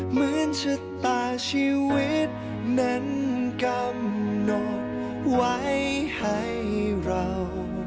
เหมือนชะตาชีวิตนั้นกำหนดไว้ให้เรา